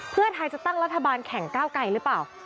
เพื่อไทยจะตั้งรัฐบาลแข่งก้าวไกลหรือเปล่า